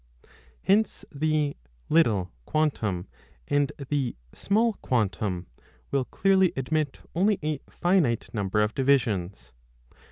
2 Hence, the little quantum and the 5 small quantum will clearly admit only a finite number of divisions.